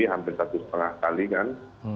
hampir satu setengah kali kan